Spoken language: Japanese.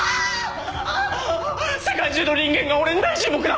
世界中の人間が俺に大注目だ！